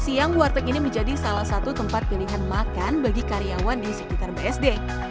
siang warteg ini menjadi salah satu tempat pilihan makan bagi karyawan di sekitar bsd